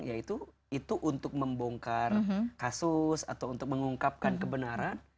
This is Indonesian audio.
yaitu itu untuk membongkar kasus atau untuk mengungkapkan kebenaran